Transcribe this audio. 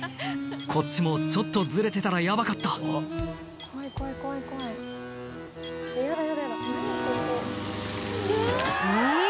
こっちもちょっとずれてたらヤバかったうわ！